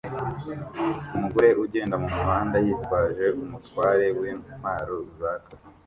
Umugore ugenda mumuhanda yitwaje umutware wintwaro zaka